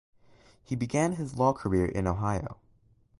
He began his law career in Ohio.